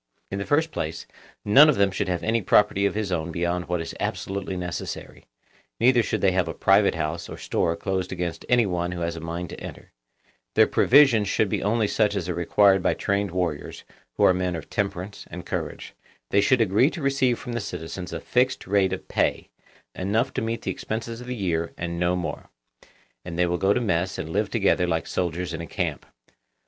In the first place, none of them should have any property of his own beyond what is absolutely necessary; neither should they have a private house or store closed against any one who has a mind to enter; their provisions should be only such as are required by trained warriors, who are men of temperance and courage; they should agree to receive from the citizens a fixed rate of pay, enough to meet the expenses of the year and no more; and they will go to mess and live together like soldiers in a camp.